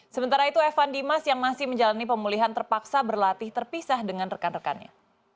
sementara itu evan dimas yang masih menjalani pemulihan terpaksa berlatih terpisah dengan rekan rekannya